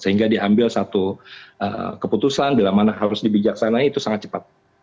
sehingga diambil satu keputusan bila mana harus dibijaksana itu sangat cepat